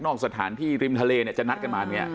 สถานที่ริมทะเลเนี่ยจะนัดกันมาเนี่ย